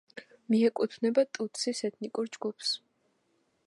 მიეკუთვნება ტუტსის ეთნიკურ ჯგუფს.